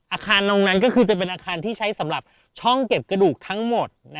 อาคารตรงนั้นก็คือจะเป็นอาคารที่ใช้สำหรับช่องเก็บกระดูกทั้งหมด